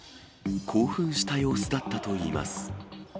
興奮した様子だったといいます。